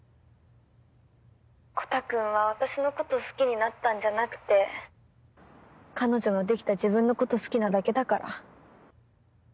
コタくんは私のこと好きになったんじゃなくて彼女のできた自分のこと好きなだけだから。